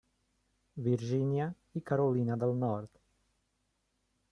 Virgínia i Carolina del Nord.